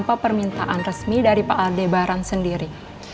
ini adalah perbicaraan resmi dari pak aldebaran sendiri